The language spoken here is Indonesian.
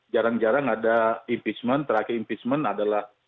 jarang jarang ada impeachment terakhir impeachment adalah